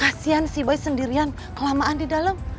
kasian si bayi sendirian kelamaan di dalam